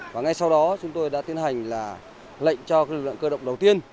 và ngay sau đó chúng tôi đã tiến hành là lệnh cho lực lượng cơ động đầu tiên